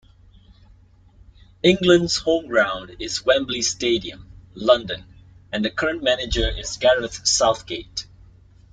England's home ground is Wembley Stadium, London, and the current manager is Gareth Southgate.